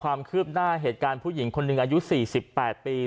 ความคืบหน้าเหตุการณ์ผู้หญิงคนหนึ่งอายุ๔๘ปี